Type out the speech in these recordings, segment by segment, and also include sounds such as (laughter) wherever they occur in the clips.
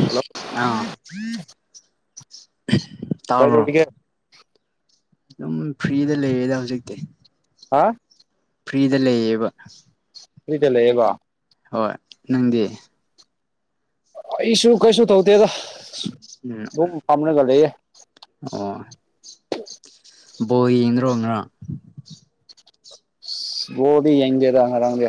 hello ꯑꯥ ꯇꯕꯔꯣ ꯀꯩꯗꯧꯔꯤꯒꯦ ꯑꯗꯨꯝ ꯐ꯭ꯔꯤꯗ ꯂꯩꯔꯦꯗ ꯍꯧꯖꯤꯛꯇꯤ ꯍꯥ ꯐ꯭ꯔꯤꯗ ꯂꯩꯌꯦꯕ ꯐ꯭ꯔꯤꯗ ꯂꯩꯌꯦꯕ ꯍꯣꯏ ꯅꯪꯗꯤ ꯑꯩꯁꯨ ꯀꯩꯁꯨ ꯇꯧꯗꯦꯗ ꯎꯝ ꯑꯗꯨꯝ ꯄꯝꯔꯒ ꯂꯩꯌꯦ ꯑꯣ ꯕꯣꯜ ꯌꯦꯡꯗ꯭ꯔꯣ ꯉꯥꯔꯥꯡ ꯁꯤ ꯕꯣꯜ ꯌꯦꯡꯗꯦꯗ ꯉꯔꯥꯡꯗꯤ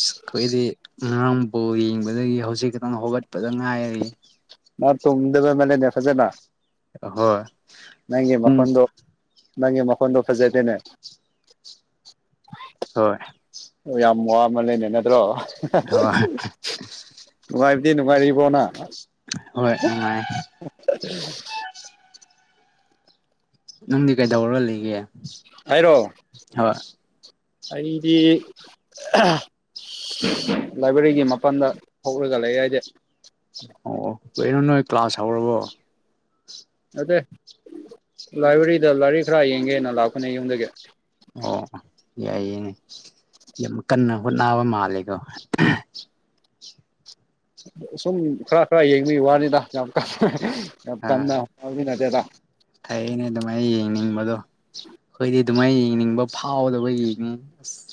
ꯁ ꯑꯩꯈꯣꯏꯗꯤ ꯉꯥꯝ ꯕꯣꯜ ꯌꯦꯡꯕꯗꯒꯤ ꯍꯧꯖꯤꯛ ꯈꯇꯪ ꯍꯧꯒꯠꯄꯗ ꯉꯥꯏꯔꯤ ꯃꯥ ꯇꯣꯝꯗꯕ (unintelligible) ꯐꯖꯅ ꯍꯣꯏ ꯅꯪꯒꯤ ꯄꯨꯡ ꯃꯈꯣꯟꯗꯣ ꯅꯪꯒꯤ ꯃꯈꯣꯟꯗꯣ ꯐꯖꯗꯦꯅꯦ ꯍꯣꯏ ꯌꯥꯝ ꯋꯥ ꯃꯜꯂꯦꯅꯦ ꯅꯗ꯭ꯔꯣ (unintelligible) ꯍꯣꯏ ꯅꯨꯡꯉꯥꯏꯕꯗꯤ ꯅꯨꯡꯉꯥꯏꯔꯤꯕꯣ ꯅꯪ ꯍꯣꯏ ꯅꯨꯉꯥꯏ (unintelligible) ꯅꯪꯗꯤ ꯀꯩꯗꯧꯔ ꯂꯩꯒꯦ ꯑꯩꯔꯣ ꯍꯣꯏ ꯑꯩꯗꯤ ꯑꯍꯥ ꯍꯥ ꯍꯥ (unintelligible) ꯂꯥꯏꯕ꯭ꯔꯦꯔꯤꯒꯤ ꯃꯄꯜꯗ ꯊꯣꯛꯔꯒ ꯂꯩꯌꯦ ꯑꯩꯗꯤ ꯑꯣ ꯑꯣ ꯀꯩꯅꯣ ꯅꯣꯏ ꯀ꯭ꯂꯥꯁ ꯍꯧꯔꯕꯣ ꯑꯠꯇꯦ ꯂꯥꯏꯕ꯭ꯔꯦꯔꯤꯗ ꯂꯥꯏꯔꯤꯛ ꯈꯔ ꯌꯦꯡꯒꯦꯅ ꯂꯥꯛꯄꯅꯦ ꯌꯨꯝꯗꯒꯤ ꯑꯣ ꯌꯥꯏꯌꯦꯅꯦ ꯌꯥꯝ ꯀꯟꯅ ꯍꯣꯠꯅꯕ ꯃꯥꯂꯦꯀꯣ ꯁꯨꯝ ꯈꯔ ꯈꯔ ꯌꯦꯡꯕꯒꯤ ꯋꯥꯅꯤꯗ ꯌꯥꯝ ꯀꯟꯅ ꯌꯥꯝ ꯀꯟꯅ ꯐꯕꯩ ꯅꯠꯇꯦꯗ ꯐꯩꯑꯦꯅꯦ ꯑꯗꯨꯃꯥꯏ ꯌꯦꯡꯅꯤꯡꯕꯗꯣ ꯑꯩꯈꯣꯏꯗꯤ ꯑꯗꯨꯃꯥꯏ ꯌꯦꯡꯅꯤꯡꯕ ꯐꯥꯎꯗꯕꯒꯤꯅꯤ ꯑꯁ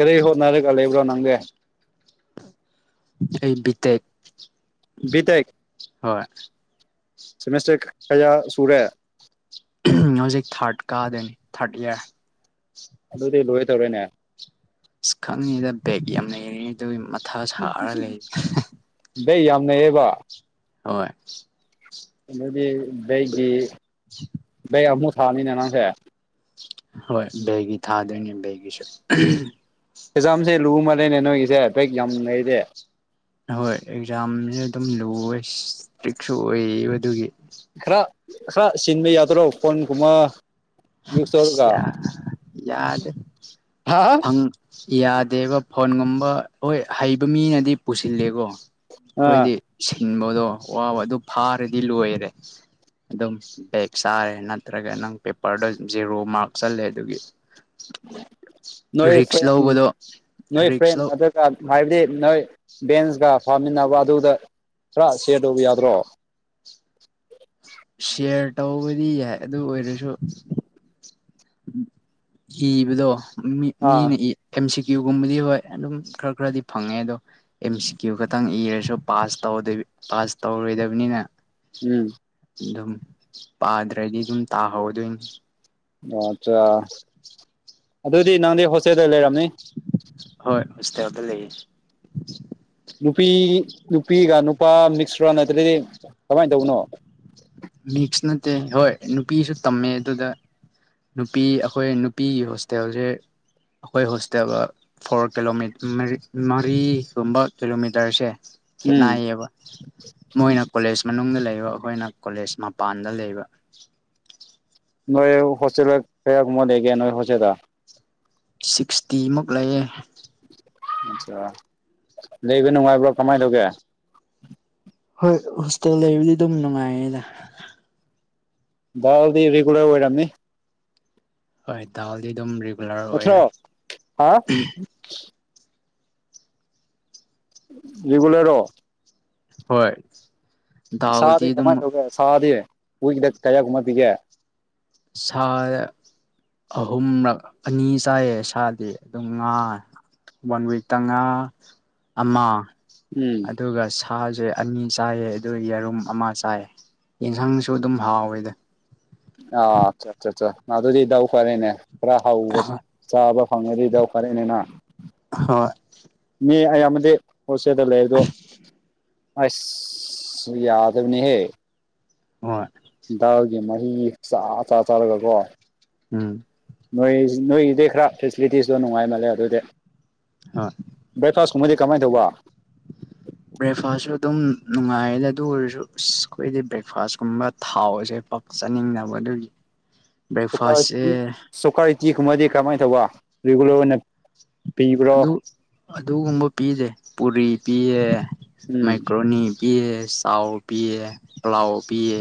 ꯀꯔꯤ ꯍꯣꯠꯅꯔꯒ ꯂꯩꯕ꯭ꯔꯣ ꯅꯪꯗꯤ ꯑꯩ ꯕꯤ ꯇꯦꯛ ꯕꯤꯇꯦꯛ ꯍꯣꯏ ꯁꯦꯃꯤꯁꯇꯔ ꯀꯌꯥ ꯁꯨꯔꯦ ꯍꯧꯖꯤꯛ ꯊꯥꯔꯠ ꯀꯥꯗꯣꯏꯅꯤ ꯊꯥꯔꯠ ꯏꯌꯥꯔ ꯑꯗꯨꯗꯤ ꯂꯣꯏ ꯇꯧꯔꯦꯅꯦ ꯑꯁ ꯈꯪꯉꯤꯉꯤꯗ ꯕꯦꯒ ꯌꯥꯝ ꯂꯩꯔꯤꯉ ꯑꯗꯨꯒꯤ ꯃꯊꯥ ꯁꯥꯔ ꯂꯩ ꯀꯩꯌꯥꯝꯅꯩꯌꯦꯕ ꯍꯣꯏ ꯑꯗꯨꯗꯤ ꯕꯦꯛ ꯒꯤ ꯕꯦꯛ ꯑꯃꯨꯛ ꯊꯥꯅꯤꯅ ꯅꯥꯥꯡꯁꯦ ꯍꯣꯏ ꯕꯦꯒꯤ ꯊꯥꯗꯣꯏꯅꯦ ꯕꯦꯒꯤꯁꯨ ꯑꯦꯛꯖꯥꯝꯁꯦ ꯂꯨꯃꯜꯂꯦꯅꯦ ꯅꯣꯏꯒꯤꯁꯦ ꯕꯦꯛ ꯌꯥꯝ ꯂꯩꯔꯦ ꯍꯣꯏ ꯑꯦꯛꯖꯥꯝꯁꯨꯦ ꯑꯗꯨꯝ ꯂꯨꯦ ꯏꯁꯇ꯭ꯔꯤꯛꯁꯨ ꯑꯣꯏꯌꯦꯕꯗꯨꯒꯤ ꯈꯔ ꯈꯔ ꯁꯤꯟꯕ ꯌꯥꯗꯣꯏꯔꯣ ꯐꯣꯟꯒꯨꯝꯕ ꯌꯨꯁ ꯇꯧꯔꯒ ꯌꯥꯗ ꯍꯥꯥ ꯌꯥꯗꯦꯕ ꯐꯣꯟꯒꯨꯝꯕ ꯍꯣꯏ ꯍꯩꯕ ꯃꯤꯅꯗꯤ ꯄꯨꯁꯤꯜꯂꯦꯀꯣ ꯑꯥ ꯑꯩꯈꯣꯏꯗꯤ ꯁꯤꯟꯕꯗꯣ ꯋꯥꯕ ꯑꯗꯨ ꯐꯥꯔꯗꯤ ꯂꯣꯏꯔꯦ ꯑꯗꯨꯝ ꯕꯦꯛ ꯆꯥꯔꯦ ꯅꯠꯇ꯭ꯔꯒ ꯅꯪ ꯄꯦꯄꯔꯗ ꯖꯦꯔꯣ ꯃꯥꯔꯛ ꯆꯜꯂꯦ ꯑꯗꯨꯒꯤ ꯅꯣꯏ ꯔꯤꯛꯁ ꯐ꯭ꯔꯦꯟ ꯂꯧꯕꯗꯣ ꯅꯣꯏ ꯐ꯭ꯔꯦꯟ ꯔꯤꯛꯁ ꯂꯧ ꯑꯗ ꯍꯥꯏꯕꯗꯤ ꯅꯣꯏ ꯕꯦꯟꯁꯀ ꯐꯥꯃꯤꯟꯅꯕ ꯑꯗꯨꯗ ꯈꯔ ꯁꯤꯌꯔ ꯇꯧꯕ ꯌꯥꯗ꯭ꯔꯣ ꯁꯤꯌꯥꯔ ꯇꯧꯕꯗꯤ ꯌꯥꯏ ꯑꯗꯨ ꯑꯣꯏꯔꯁꯨ ꯏꯕꯗꯣ ꯃꯤ ꯑꯥ ꯃꯤꯅ ꯏ ꯑꯦꯝ ꯁꯤ ꯀ꯭ꯌꯨꯒꯨꯝꯕꯗꯤ ꯍꯣꯏ ꯑꯗꯨꯝ ꯈꯔ ꯈꯔꯗꯤ ꯐꯪꯉꯦ ꯑꯗꯣ ꯑꯦꯝ ꯁꯤ ꯀ꯭ꯌꯨ ꯈꯛꯇꯪ ꯏꯔꯁꯨ ꯄꯥꯁ ꯇꯧ ꯄꯥꯁ ꯇꯧꯔꯣꯏꯗꯕꯅꯤꯅ ꯎꯝ ꯑꯗꯨꯝ ꯄꯥꯗ꯭ꯔꯗꯤ ꯑꯗꯨꯝ ꯇꯥꯍꯧꯗꯣꯏꯅꯤ ꯑꯣ ꯑꯠꯆꯥ ꯑꯗꯨꯗꯤ ꯅꯪꯗꯤ ꯍꯣꯁꯇꯦꯜꯗ ꯂꯩꯔꯝꯅꯤ ꯍꯣꯏ ꯍꯣꯁꯇꯦꯜꯗ ꯂꯩ ꯅꯨꯄꯤ ꯅꯨꯄꯤꯒ ꯅꯨꯄꯥ ꯃꯤꯛꯁ ꯔꯥ ꯅꯠꯇ꯭ꯔꯗꯤ ꯀꯃꯥꯏꯅ ꯇꯧꯕꯅꯣ ꯃꯤꯛꯁ ꯅꯠꯇꯦ ꯍꯣꯏ ꯅꯨꯄꯤꯁꯨ ꯇꯝꯃꯦ ꯑꯗꯨꯗ ꯅꯨꯄꯤ ꯑꯩꯈꯣꯏ ꯅꯨꯄꯤꯒꯤ ꯍꯣꯁꯇꯦꯜꯁꯦ ꯑꯩꯈꯣꯏ ꯍꯣꯁꯇꯦꯜꯒ ꯐꯣꯔ ꯀꯤꯂꯣ ꯃꯔꯤꯒꯨꯝꯕ ꯀꯤꯂꯣꯃꯤꯇꯔꯁꯦ ꯎꯝ ꯈꯦꯠꯅꯏꯌꯦꯕ ꯃꯣꯏꯅ ꯀꯣꯂꯦꯖ ꯃꯅꯨꯡꯗ ꯂꯩꯕ ꯑꯩꯈꯣꯏꯅ ꯀꯣꯂꯦꯖ ꯃꯄꯥꯟꯗ ꯂꯩꯕ ꯅꯣꯏ ꯍꯣꯁꯇꯦꯜꯂꯔ ꯀꯌꯥꯒꯨꯝꯃꯗ ꯂꯩꯒꯦ ꯅꯣꯏ ꯍꯣꯁꯦꯜꯗ ꯁꯤꯛꯁꯇꯤꯃꯨꯛ ꯂꯩꯌꯦ ꯑ ꯂꯩꯕ ꯅꯨꯡꯉꯥꯏꯕ꯭ꯔꯣ ꯀꯃꯥꯏꯅ ꯇꯧꯒꯦ ꯍꯣꯏ ꯍꯣꯁꯇꯦꯜ ꯂꯩꯕꯨꯗꯤ ꯑꯗꯨꯝ ꯅꯨꯡꯉꯥꯏꯌꯦꯗ ꯗꯥꯜꯗꯤ ꯔꯤꯒꯨꯂꯔ ꯑꯣꯏꯔꯝꯅꯤ ꯍꯣꯏ ꯗꯥꯜꯗꯤ ꯑꯗꯨꯝ ꯔꯤꯒꯨꯂꯔ ꯑꯣꯏꯔꯦ ꯅꯠꯇ꯭ꯔꯣ ꯍꯥ ꯔꯤꯒꯨꯂꯔ ꯔꯣ ꯍꯣꯏ ꯗꯥꯎꯗꯤ ꯁꯥꯗꯤ ꯑꯗꯨꯝ ꯀꯃꯥꯏꯅ ꯇꯧꯒꯦ ꯁꯥꯗꯤ ꯋꯤꯛꯗ ꯀꯌꯥꯒꯨꯝꯕ ꯄꯤꯒꯦ ꯁꯥꯗꯤ ꯑꯍꯨꯝꯔꯛ ꯑꯅꯤ ꯆꯥꯏꯌꯦ ꯁꯥꯗꯤ ꯑꯗꯨꯝ ꯉꯥ ꯋꯥꯟ ꯋꯤꯛ ꯇꯉꯥ ꯑꯃ ꯎꯝ ꯑꯗꯨꯒ ꯁꯥ ꯁꯥꯁꯦ ꯑꯅꯤ ꯆꯥꯏꯌꯦ ꯑꯗꯨ ꯌꯦꯔꯨꯝ ꯑꯃ ꯆꯥꯏꯌꯦ ꯌꯦꯟꯁꯥꯡꯁꯨ ꯑꯗꯨꯝ ꯍꯥꯎꯋꯦꯗ ꯑ ꯑꯆꯥ ꯑꯆꯥ ꯑꯆꯥ ꯃꯥ ꯑꯗꯨꯗꯤꯗꯥꯎ ꯐꯔꯦꯅꯦ ꯈꯔ ꯍꯥꯎꯕ ꯆꯥꯕ ꯐꯪꯉꯗꯤ ꯗꯥꯎꯐꯔꯦꯅꯦꯅꯥ ꯍꯣꯏ ꯃꯤ ꯑꯌꯥꯝꯕꯗꯤ ꯍꯣꯜꯁꯦꯜꯗ ꯂꯩ ꯑꯗꯨ ꯑꯁ ꯌꯥꯗꯅꯦꯍꯦ ꯍꯣꯏ ꯗꯥꯜꯒꯤ ꯃꯍꯤ ꯆ ꯆ ꯆꯥꯔꯒ ꯀꯣ ꯎꯝ ꯅꯣꯏ ꯅꯣꯏꯒꯤꯗꯤ ꯈꯔ ꯐꯦꯁꯤꯂꯤꯇꯤꯁꯇꯣ ꯅꯨꯡꯉꯥꯏ ꯃꯥꯜꯂꯦ ꯑꯗꯨꯗꯤ ꯍꯣꯏ ꯕ꯭ꯔꯦꯛꯐꯥꯁ ꯀꯨꯝꯕꯗꯤ ꯀꯃꯥꯏ ꯇꯧꯕ ꯕ꯭ꯔꯦꯛꯐꯥꯁꯁꯨ ꯑꯗꯨꯝ ꯅꯨꯡꯉꯥꯏꯌꯦꯗ ꯑꯗꯨ ꯑꯣꯏꯔꯁꯨ ꯑꯁ ꯑꯩꯈꯣꯏꯗꯤ ꯕ꯭ꯔꯦꯛꯐꯥꯁꯀꯨꯝꯕ ꯊꯥꯎꯁꯦ ꯄ ꯆꯥꯅꯤꯡꯗꯕ ꯑꯗꯨꯒꯤ ꯕ꯭ꯔꯦꯛꯐꯥꯁꯁꯦ ꯁꯣꯀꯥꯔꯤꯇꯤꯒꯨꯝꯕꯗꯤ ꯀꯃꯥꯏꯅ ꯇꯧꯕ ꯔꯤꯒꯨꯂꯔ ꯑꯣꯏꯅ ꯑꯗꯨ ꯄꯤꯕ꯭ꯔꯣ ꯑꯗꯨꯒꯨꯝꯕ ꯄꯤꯗ‌ꯦ ꯄꯨꯔꯤ ꯄꯤꯌꯦ ꯎꯝ ꯃ‌ꯦꯛꯀ꯭ꯔꯣꯅꯤ ꯄꯤꯌꯦ ꯆꯥꯎ ꯄꯤꯌ‌ꯦ ꯄ꯭ꯂꯥꯎ ꯄꯤꯌꯦ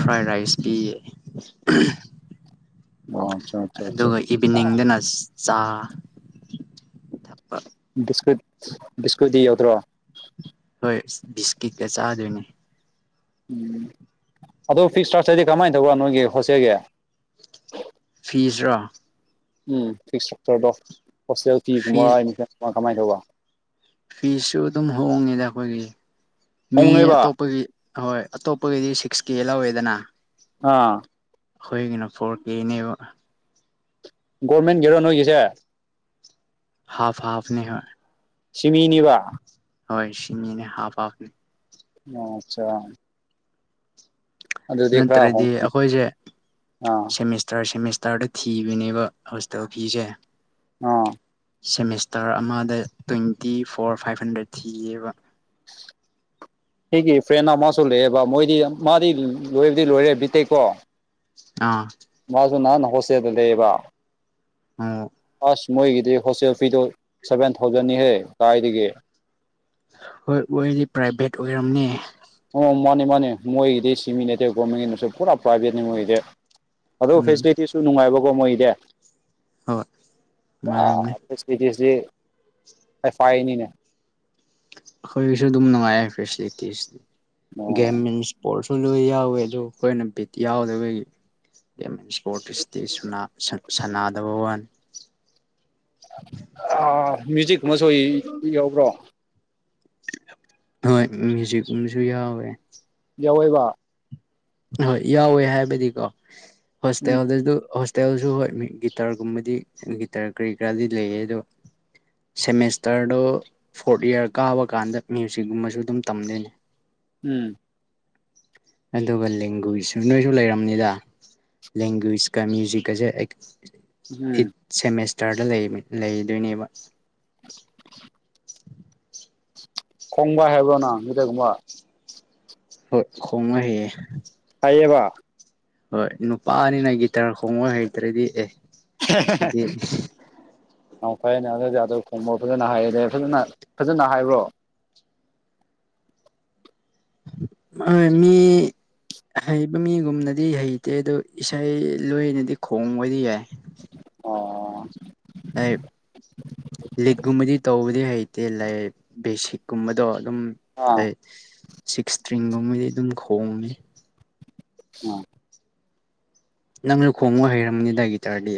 ꯐ꯭ꯔꯥꯏ ꯔꯥꯏꯁ ꯄꯤꯌ‌ꯦ ꯑꯣ ꯑꯆꯥ ꯑꯆꯥ ꯑꯗꯨꯒ ꯏꯚꯤꯅꯤꯡꯗꯅ ꯆꯥ ꯊꯛꯄ ꯕꯤꯁꯀꯨꯠ ꯕꯤꯁꯀꯨꯠꯇꯤ ꯌꯥꯎꯗ꯭ꯔꯣ ꯍꯣꯏ ꯕꯤꯁꯀꯤꯠꯀ ꯆꯥꯗꯣꯏꯅꯦ ꯎꯝ ꯑꯗꯣ ꯐꯤ ꯁꯔ꯭ꯛꯆꯔꯗꯤ ꯀꯃꯥꯏꯅ ꯇꯧꯕ ꯅꯣꯏꯒꯤ ꯍꯣꯁꯇꯦꯜꯒꯤ ꯐꯤꯁꯔꯣ ꯎꯝ ꯐꯤꯛꯁ ꯁꯇ꯭ꯔꯛꯆꯔꯗꯣ ꯍꯣꯁꯇꯦꯜ ꯐꯤꯒꯨꯝꯕ ꯑꯦꯅꯤꯒꯨꯝꯕ ꯀꯃꯥꯏꯅ ꯇꯧꯕ ꯐꯤꯁ ꯁꯨ ꯑꯗꯨꯝ ꯍꯣꯡꯉꯦꯗ ꯑꯩꯈꯣꯏꯒꯤ ꯃꯤ ꯍꯣꯡꯉꯦꯕ ꯑꯇꯣꯞꯄꯒꯤ ꯍꯣꯏ ꯑꯇꯣꯞꯄꯒꯤꯗꯤ ꯁꯤꯛꯁ ꯀꯦ ꯂꯧꯋꯦꯗꯅ ꯑꯥ ꯑꯩꯈꯣꯏꯒꯤꯅ ꯐꯣꯔ ꯀꯦꯅꯦꯕ ꯒꯣꯔꯃꯦꯟꯒꯤꯔꯣ ꯅꯣꯏꯒꯤꯁꯦ ꯍꯥꯐ ꯍꯥꯐꯅꯤ ꯍ‌ꯣꯏ ꯁꯤꯃꯤꯅꯤ ꯕ ꯍꯣꯏ ꯁꯤꯃꯤꯅꯦ ꯍꯥꯞ ꯍꯥꯞ ꯅ‌ꯦ ꯑꯣ ꯑꯆꯥ ꯈꯔ ꯅꯠꯇ꯭ꯔꯗꯤ ꯍꯣꯡ ꯑꯩꯈꯣꯏꯁꯦ ꯑꯥ ꯁꯦꯃꯤꯁꯇꯔ ꯁꯦꯃꯤꯁꯇꯔꯗ ꯊꯤꯕꯅꯦꯕ ꯍꯣꯁꯇ‌ꯦꯜ ꯐꯤꯁꯦ ꯑ‌ꯣ ꯁꯦꯃꯤꯁꯇꯔ ꯑꯃꯗ ꯇ꯭ꯋꯦꯟꯇꯤ ꯐꯣꯔ ꯐꯥꯏꯚ ꯍꯟꯗ꯭ꯔꯦꯠ ꯊꯤꯌꯦꯕ (inaudible) ꯑꯩꯒꯤ ꯐ꯭ꯔꯦꯟ ꯑꯃꯁꯨ ꯂꯩꯑꯦꯕ ꯃꯣꯏꯗꯤ ꯃꯥꯗꯤ ꯂꯣꯏꯕꯗꯤ ꯂꯣꯏꯔꯦ ꯕꯤ ꯇꯦꯀꯣ ꯑꯥ ꯃꯥꯁꯨ ꯅꯍꯥꯟꯅ ꯍꯣꯁꯇꯦꯜꯗ ꯂꯩꯌꯦꯕ ꯑꯣ ꯑꯁ ꯃꯣꯏꯒꯤꯗꯤ ꯍꯣꯁꯇꯦꯜ ꯐꯤꯗꯨꯣ ꯁꯚꯦꯟ ꯊꯥꯎꯖꯟꯅꯤꯍꯦ ꯀꯥꯏꯗꯒꯤ ꯍꯣꯏ ꯑꯣꯏꯔꯗꯤ ꯄ꯭ꯔꯥꯏꯚꯦꯠ ꯑꯣꯏꯔꯝꯅꯦ ꯑꯣ ꯃꯥꯅꯦ ꯃꯥꯅꯦ ꯃꯣꯏꯒꯤꯗꯤ ꯁꯤꯃꯤꯅꯠꯇ‌ꯦ ꯒꯣꯔꯃꯦꯟꯒꯤꯅꯁꯨ ꯄꯨꯔꯥ ꯄ꯭ꯔꯥꯏꯚꯦꯠꯅꯤ ꯃꯣꯏꯒꯤꯗꯤ ꯑꯗꯣ ꯎꯝ ꯐꯦꯁꯤꯂꯤꯇꯤꯁꯨ ꯅꯨꯡꯉꯥꯏꯕꯀꯣ ꯃꯣꯏꯒꯤꯗꯤ ꯍꯣꯏ ꯅꯨꯡꯉꯥꯏꯔꯝꯅꯦ ꯁꯗꯤ ꯑꯦꯐ ꯑꯥꯏꯅꯤꯅꯦ ꯑꯩꯈꯣꯏꯒꯤꯁꯨ ꯑꯗꯨꯝ ꯅꯨꯡꯉꯥꯏꯌ‌ꯦ ꯐꯦꯁꯤꯂꯤꯇꯤꯁ ꯒꯦꯝ ꯃꯤꯟꯁ ꯕꯣꯜꯁꯨ ꯂꯣꯏ ꯌꯥꯎꯋꯦ ꯑꯗꯨ ꯑꯩꯈꯣꯏꯅ ꯕꯤꯠ ꯌꯥꯎꯗꯕꯒꯤ ꯏꯁꯄꯣꯔꯠ ꯏꯁꯇꯤ ꯁꯥꯟꯅꯥꯗꯕ ꯋꯥꯅ‌ꯦ ꯑꯥ ꯃ꯭ꯌꯨꯖꯤꯛ ꯀꯨꯝꯕꯁꯨ ꯌꯥꯎꯕ꯭ꯔꯣ ꯍꯣꯏ ꯃꯌ꯭ꯨꯖꯤꯛꯀꯨꯝꯕꯁꯨ ꯌꯥꯎꯋꯦ ꯌꯥꯎꯋ‌ꯦꯕ ꯍꯣꯏ ꯌꯥꯎꯋꯦ ꯍꯥꯏꯕꯗꯤꯀꯣ ꯎꯝ ꯍꯣꯁꯇꯦꯜꯗ ꯍꯣꯇꯦꯜꯁꯨ ꯍꯣꯏ ꯃꯤ ꯒꯤꯇꯥꯔꯒꯨꯝꯕꯗꯤ ꯒꯤꯇꯔ ꯀꯔꯤ ꯀꯔꯥꯗꯤ ꯂꯩꯌꯦ ꯑꯗꯣ ꯁꯦꯃꯦꯁꯇꯔꯗꯣ ꯐꯣꯔꯠ ꯏꯌꯥꯔ ꯀꯥꯕ ꯀꯥꯟꯗ ꯃ꯭ꯌꯨꯖꯤꯛꯀꯨꯝꯕꯁꯨ ꯑꯗꯨꯝ ꯇꯝꯗꯣꯏꯅꯦ ꯎꯝ ꯑꯗꯨꯒ ꯂꯦꯡꯒ꯭ꯋꯦꯖ ꯅꯣꯏꯁꯨ ꯂꯩꯔꯝꯅꯤꯗ ꯂꯦꯡꯒ꯭ꯋꯦꯖꯀ ꯃ꯭ꯌꯨꯖꯤꯛꯀꯁꯦ ꯑꯩꯠ ꯎꯝ ꯁꯦꯃꯦꯁꯇꯔꯗ ꯂꯩꯗꯣꯏꯅꯦꯕ (unintelligible) (unintelligible) ꯈꯣꯡꯕꯥ ꯍꯥꯏꯕꯅꯪ ꯒꯤꯇꯥꯔꯀꯨꯝꯕ ꯍꯣꯏ ꯈꯣꯡꯕ ꯍꯩꯌꯦ ꯍꯩꯌꯦꯕ ꯍꯣꯏ ꯅꯨꯄꯥꯅꯤꯅ ꯒꯤꯇꯔ ꯈꯣꯡꯕ ꯍꯩꯇ꯭ꯔꯗꯤ ꯑꯦ ꯁꯤꯗꯤ (inaudible) ꯅ ꯐꯩꯅꯦ ꯑꯗꯨꯗ ꯈꯣꯡꯕ ꯐꯖꯅ ꯍꯥꯏꯌꯦꯗ ꯐꯖꯅ ꯐꯖꯅ ꯍꯥꯏꯕ꯭ꯔꯣ ꯑ ꯃꯤ ꯍꯩꯕ ꯃꯤꯒꯨꯝꯅꯗꯤ ꯍꯩꯇꯦ ꯑꯗꯨꯣ ꯏꯁꯩ ꯂꯣꯏꯅꯗꯤ ꯈꯣꯡꯕꯗꯤ ꯌꯥꯏ ꯑꯣ ꯑꯩ ꯂꯤꯠꯀꯨꯝꯕꯗꯤ ꯇꯧꯕꯗꯤ ꯍꯩꯇꯦ ꯕꯦꯁꯤꯛꯀꯨꯝꯕꯗꯣ ꯑꯗꯨꯝ ꯑꯥ ꯑꯩꯠ (inaudible) ꯁꯤꯛꯁ ꯇ꯭ꯔꯤꯡꯒꯨꯝꯕꯗꯤ ꯑꯗꯨꯝ ꯎꯝ ꯅꯪꯁꯨ ꯈꯣꯡꯕ ꯍꯩꯔꯝꯒꯅꯤꯗꯥ ꯒꯤꯇꯥꯔꯗꯤ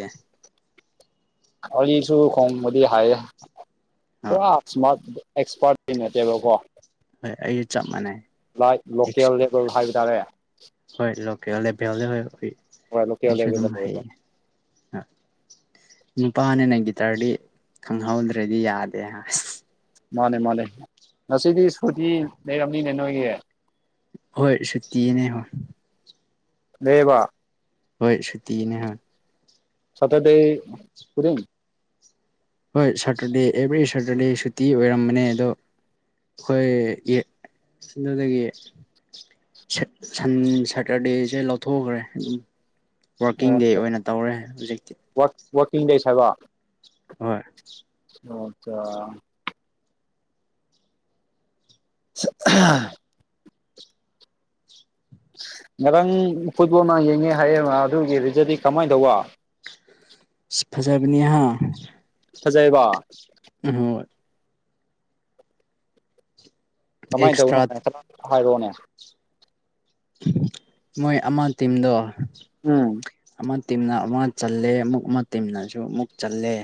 ꯑꯩꯁꯨ ꯈꯣꯡꯕꯗꯤ ꯍꯥꯏꯌꯦ ꯍꯣꯏ ꯄꯨꯔ ꯢꯁꯃꯥꯠ ꯑꯦꯛꯁꯄꯥꯔꯠꯀꯤ ꯅꯠꯇꯦꯕꯀꯣ ꯍꯣꯏ ꯑꯩꯒ ꯆꯞ ꯃꯥꯟꯅꯩ ꯂ ꯂꯣꯀꯦꯜ ꯂꯦꯕꯦꯜ ꯍꯥꯏꯕ ꯇꯥꯔꯦ ꯍꯣꯏ ꯂꯣꯀꯦꯜ ꯂꯦꯚꯦꯜ ꯍꯣꯏ ꯍꯣꯏ ꯂꯣꯀꯦꯜ ꯑꯩꯁꯨ ꯑꯗꯨꯝ ꯂꯦꯚꯦꯜꯗ ꯂꯩꯌꯦ ꯍꯥꯏꯌꯦ ꯅꯨꯄꯥꯅꯤꯅ ꯒꯤꯇꯔꯗꯤ ꯈꯪꯍꯧꯗ꯭ꯔꯗꯤ ꯌꯥꯗꯦ ꯃꯥꯅꯦ ꯃꯥꯅꯦ ꯉꯁꯤꯗꯤ ꯁꯨꯇꯤ ꯂꯩꯔꯝꯅꯤꯅꯦ ꯅꯣꯏꯒꯤ ꯍꯣꯏ ꯁꯨꯇꯤꯅꯦ ꯍꯣꯏ ꯂꯩꯌꯦꯕ ꯍꯣꯏ ꯁꯨꯇꯤꯅꯦ ꯍꯣꯏ ꯁꯇꯥꯔꯗꯦ ꯈꯨꯗꯤꯡ ꯍꯣꯏ ꯁꯇꯔꯗꯦ ꯑꯦꯕ꯭ꯔꯤ ꯁꯇꯔꯗꯦ ꯁꯨꯇꯤ ꯑꯣꯏꯔꯝꯕꯅꯦ ꯑꯗꯣ ꯑꯩꯈꯣꯏ ꯌꯦ ꯑꯗꯨꯗꯒꯤ ꯁꯟ ꯁꯦꯇꯔꯗꯦꯁꯦ ꯂꯧꯊꯣꯛꯈ꯭ꯔꯦ ꯑꯗꯨꯝ ꯋꯥꯔꯀꯤꯡ ꯗꯦ ꯑꯣꯀꯦ ꯑꯣꯏꯅ ꯇꯧꯔꯦ ꯍꯧꯖꯤꯛꯇꯤ ꯋꯥꯛꯀꯤꯡ ꯗꯦꯁ ꯍꯥꯏꯕ ꯍꯣꯏ ꯑꯆꯥ (inaudible) ꯉꯔꯥꯡ ꯐꯨꯠꯕꯣꯜꯅ ꯌꯦꯡꯉꯦ ꯍꯥꯏꯌꯦ ꯑꯗꯨꯒꯤ ꯔꯤꯖꯗꯤ ꯀꯃꯥꯏꯅ ꯇꯧꯕ ꯐꯖꯕꯅꯤꯍꯥ ꯐꯖꯩꯕ ꯍꯣꯏ ꯀꯃꯥꯏꯅ ꯑꯦꯛꯁꯇ꯭ꯔꯥ ꯇꯧꯕꯅꯦ ꯍꯥꯏꯔꯛꯑꯣꯅꯦ ꯃꯣꯏ ꯑꯃ ꯇꯤꯝꯗ ꯎꯝ ꯑꯃ ꯇꯤꯝꯅ ꯑꯃ ꯆꯜꯂꯦ ꯑꯃꯨꯛ ꯑꯃ ꯇꯤꯝꯅꯁꯨ ꯑꯃꯨꯛ ꯆꯜꯂꯦ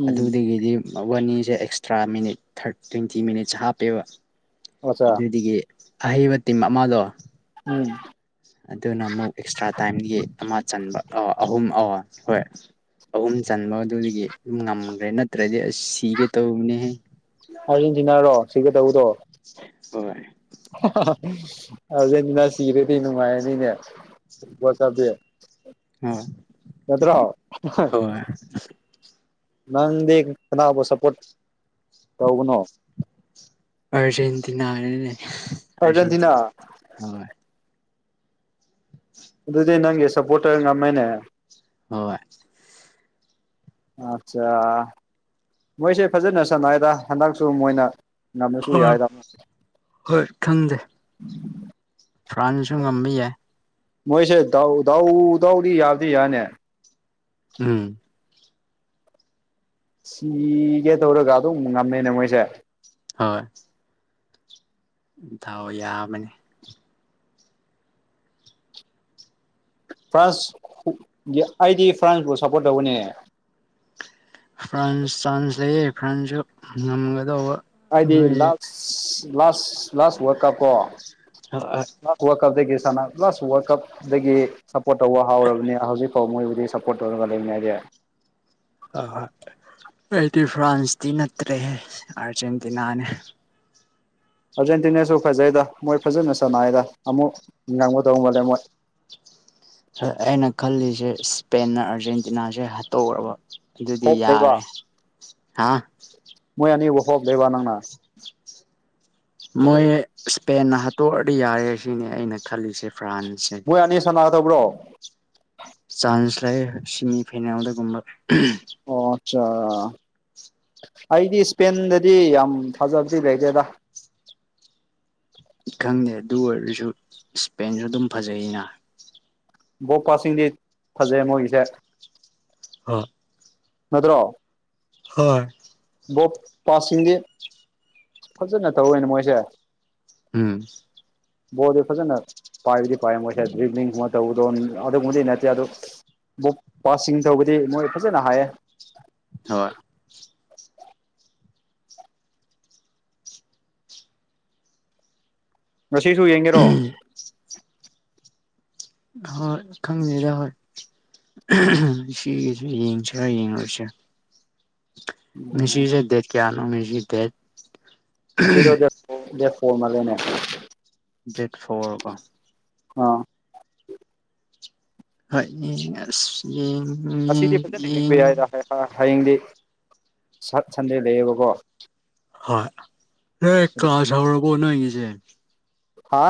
ꯎꯝ ꯑꯗꯨꯗꯒꯤꯗꯤ ꯋꯥꯟꯅꯤꯁꯦ ꯑꯦꯛꯁꯇ꯭ꯔꯥ ꯃꯤꯅꯤꯠꯔ ꯇ꯭ꯋꯦꯟꯇꯤ ꯃꯤꯅꯤꯠꯁꯦ ꯍꯥꯞꯄꯦꯕ ꯑꯆꯥ ꯑꯗꯨꯗꯒꯤ ꯑꯍꯩꯕ ꯇꯤꯝ ꯑꯃꯗꯣ ꯎꯝ ꯑꯗꯨꯅ ꯑꯃꯨꯛ ꯑꯦꯛꯁꯇ꯭ꯔꯥ ꯇꯥꯏꯝꯒꯤ ꯑꯃ ꯆꯟꯕ ꯑ ꯑꯍꯨꯝ ꯑ ꯍꯣꯏ ꯑꯍꯨꯝ ꯆꯟꯕ ꯑꯗꯨꯗꯒꯤ ꯑꯗꯨꯝ ꯉꯝꯈ꯭ꯔꯦ ꯅꯠꯇ꯭ꯔꯗꯤ ꯑꯁ ꯁꯤꯒꯦ ꯇꯧꯕꯅꯦꯍꯦ ꯑꯥꯔꯖꯦꯟꯇꯤꯅꯥꯔꯣ ꯁꯤꯒꯦ ꯇꯧꯕꯗꯣ ꯍꯣꯏ ꯍꯥꯍꯥꯍꯥ ꯑ ꯂꯤꯟꯅ ꯁꯤꯔꯗꯤ ꯅꯨꯡꯉꯥꯏꯔꯅꯤꯅꯦ ꯋꯥꯆꯥꯕꯤ ꯍꯣꯏ ꯅꯠꯇꯔꯣ ꯍꯣꯏ ꯍꯣꯏ ꯅꯪꯗꯤ ꯀꯅꯥꯕꯨ ꯁꯞꯄꯣꯔꯠ ꯇꯧꯕꯅꯣ ꯑꯔꯖꯦꯟꯇꯤꯅꯤꯅꯦ ꯑꯔꯖꯦꯟꯇꯤꯅꯥ ꯑꯥꯔꯖꯦꯟꯇꯤꯅꯥ ꯑꯍꯣꯏ ꯑꯗꯨꯗꯤ ꯅꯪꯒꯤ ꯁꯞꯄꯣꯇꯔ ꯉꯝꯃꯦꯅꯦ ꯑꯍꯣꯏ ꯑꯠꯆꯥ ꯃꯣꯏꯁꯦ ꯐꯖꯅ ꯁꯥꯟꯅꯩꯗ ꯍꯟꯗꯛꯁꯨ ꯃꯣꯏꯅ ꯉꯝꯂꯥꯁꯨ ꯍꯣꯏ ꯌꯥꯏꯗ ꯍꯣꯏ ꯈꯪꯗꯦ ꯐ꯭ꯔꯥꯟꯁꯨ ꯉꯝꯕ ꯌꯥꯏ ꯃꯣꯏꯁꯦ ꯗꯥꯎ ꯗꯥꯎ ꯗꯥꯎꯗꯤ ꯌꯥꯕꯗꯤ ꯌꯥꯅꯦ ꯎꯝ ꯁꯤꯒꯦ ꯇꯧꯔꯒ ꯑꯗꯨꯝ ꯉꯝꯃꯦꯅꯦ ꯃꯣꯏꯁꯦ ꯍꯣꯏ ꯗꯥꯎ ꯌꯥꯕꯅꯤ ꯐ꯭ꯥꯁ ꯑꯩꯗꯤ ꯐ꯭ꯔꯥꯟꯁꯄꯨ ꯁꯞꯄꯣꯔꯠ ꯇꯧꯕꯅꯦ ꯐ꯭ꯔꯥꯟꯁ ꯆꯥꯟꯁ ꯂꯩꯌꯦ ꯐ꯭ꯔꯥꯟꯖꯨ ꯉꯝꯒꯗꯧꯕ ꯃꯣꯏ ꯍꯥꯏꯗꯤ ꯍꯣꯏ ꯂꯥꯁ ꯂꯥꯁ ꯂꯥꯁ ꯋꯥꯔꯜꯗ ꯀꯞ ꯀꯣꯥ ꯍꯣꯏ ꯋꯥꯔꯜ ꯀꯞꯇꯒꯤ ꯁꯥꯟꯅ ꯄ꯭ꯂꯁ ꯋꯥꯔꯜꯗ ꯀꯞꯇꯗꯒꯤ ꯁꯞꯄꯣꯔꯠ ꯇꯧꯕ ꯍꯧꯔꯕꯅꯤ ꯍꯧꯖꯤꯛ ꯍꯣ ꯃꯣꯏꯕꯨꯗꯤ ꯁꯞꯄꯣꯔꯠ ꯇꯧꯔꯒ ꯂꯩꯅꯤ ꯑꯩꯗꯤ ꯑ ꯍꯣꯏ ꯑꯩꯗꯤ ꯐ꯭ꯔꯥꯟꯁꯇꯤ ꯅꯠꯇ꯭ꯔꯦ ꯍꯦ ꯑꯥꯔꯖꯦꯟꯇꯤꯅꯥꯅꯦ ꯑꯥꯔꯖꯦꯟꯇꯤꯅꯥꯖꯨ ꯐꯖꯩꯗ ꯃꯣꯏ ꯐꯖꯅ ꯁꯥꯟꯅꯏꯗ ꯑꯃꯨꯛ ꯉꯝꯒꯗꯧ ꯃꯜꯂꯦ ꯃꯣꯏ ꯁꯦ ꯑꯩꯅ ꯈꯜꯂꯤꯁꯦ ꯏꯁꯄꯦꯟꯅ ꯑꯥꯔꯖꯦꯟꯇꯤꯅꯥꯁꯦ ꯍꯥꯠꯇꯣꯛꯑꯕ ꯑꯗꯨꯗꯤ ꯍꯣꯞ ꯂꯩꯕ ꯌꯥꯔꯦ ꯍꯥ ꯃꯣꯏ ꯑꯅꯤꯕꯨ ꯍꯣꯞ ꯂꯩꯕ ꯅꯪꯅ ꯃꯣꯏ ꯏꯁꯄꯦꯟꯅ ꯍꯥꯠꯇꯣꯛꯑꯗꯤ ꯌꯥꯔꯦ ꯁꯤꯅꯤ ꯑꯩꯅ ꯈꯜꯂꯤꯁꯦ ꯐ꯭ꯔꯥꯟꯁꯁꯦ ꯃꯣꯏ ꯑꯅꯤ ꯁꯥꯟꯅꯒꯗꯧꯕ꯭ꯔꯣ ꯆꯥꯟꯁ ꯂꯩꯌꯦ ꯁꯤꯃꯤ ꯐꯥꯏꯅꯦꯜ ꯑꯗꯨꯒꯨꯝꯕ ꯑꯣ ꯑꯠꯆꯥꯥ ꯑꯩꯗꯤ ꯏꯁꯄꯦꯟꯗꯗꯤ ꯌꯥꯝ ꯊꯥꯖꯕꯗꯤ ꯂꯩꯇꯦꯗ ꯈꯪꯗꯦ ꯑꯗꯨ ꯑꯣꯏꯔꯁꯨ ꯏꯁꯄꯦꯟꯁꯨ ꯑꯗꯨꯝ ꯐꯖꯩꯅ ꯕꯣ ꯄꯥꯁꯤꯡꯗꯤ ꯐꯖꯩ ꯃꯣꯏꯒꯤꯁꯦ ꯑ ꯅꯗꯔ꯭ꯣ ꯍꯔ ꯕꯣꯞ ꯄꯥꯁꯤꯡꯗꯤ ꯐꯖꯅ ꯇꯧꯋꯦꯅꯦ ꯃꯣꯏꯁꯦ ꯎꯝ ꯕꯣꯜꯗꯤ ꯐꯖꯅ ꯄꯥꯏꯗꯤ ꯄꯥꯏꯔꯝꯃꯣꯏꯍꯦ ꯗꯔ꯭ꯤꯞꯕꯅꯤꯡ ꯒꯨꯝꯕ ꯇꯧꯕꯗꯨ ꯑꯗꯨꯒꯨꯃꯕꯅꯤ ꯅꯠꯇꯦ ꯑꯗꯨ ꯕꯨꯞ ꯄꯥꯁꯤꯡ ꯇꯧꯕꯗꯤ ꯃꯣꯏ ꯐꯖꯅ ꯍꯥꯏꯌꯦ ꯍꯣꯏ ꯉꯁꯤꯁꯨ ꯌꯦꯡꯒꯦꯔꯣ ꯍꯣꯏ ꯈꯪꯗꯦꯗꯥ ꯍꯣꯏ ꯉꯁꯤꯒꯤꯁꯨ ꯌꯦꯡꯁꯤꯔ ꯌꯦꯡꯂꯣꯏꯁꯤꯔꯥ ꯎꯝ ꯉꯁꯤꯁꯦ ꯗꯦꯠ ꯀꯌꯥꯅꯣ ꯉꯁꯤ ꯗꯦꯠ ꯉꯁꯤꯔꯣ ꯗꯦꯠ ꯐꯣꯔ ꯗꯦꯠ ꯐꯣꯔ ꯃꯥꯜꯂꯦꯅꯦ ꯗꯦꯠ ꯐꯣꯔ ꯑꯕꯥ ꯑꯥ ꯍꯣꯏ ꯌꯦꯡ ꯑꯁ ꯌꯦꯡ ꯌꯦꯡ ꯌꯦꯡ ꯍꯥ ꯍꯌꯦꯡꯗꯤ ꯁꯠ ꯁꯟꯗꯦ ꯂꯩꯌꯦꯕꯀꯣ ꯍꯣꯏ ꯅꯣꯏ ꯑꯗꯨ ꯀ꯭ꯂꯥꯁ ꯍꯧꯔꯕꯣ ꯅꯣꯏꯒꯤꯁꯦ ꯍꯥ